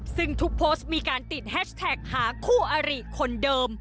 ซึ่งทุกโพสต์มีการติดแฮชแท็กหาคู่อาริคนเดิม